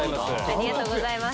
ありがとうございます。